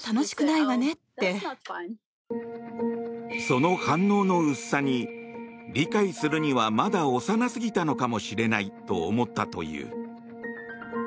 その反応の薄さに理解するにはまだ幼すぎたのかもしれないと思ったという。